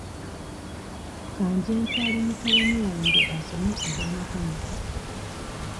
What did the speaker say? Ka nje ntwale mutabani wange asome obwa makanika.